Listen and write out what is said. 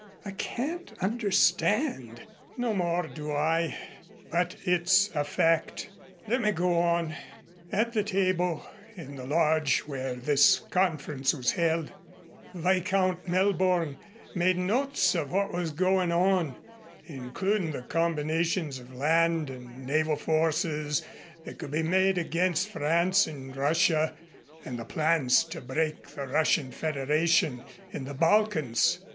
I can't understand." "No more do I, but it's a fact. Let me go on. At the table in the lodge where this conference was held, Viscount Melborne made notes of what was goin' on, includin' the combinations of land and naval forces that could be made against France and Russia, and the plans to break the Russian Federation in the Balkans.